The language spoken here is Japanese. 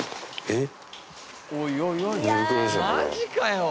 えっ？